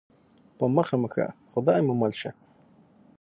په مخه مو ښه خدای مو مل شه